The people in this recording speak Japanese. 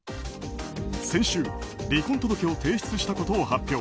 先週、離婚届を提出したことを発表。